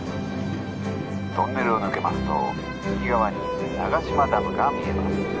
トンネルを抜けますと右側に長島ダムが見えます。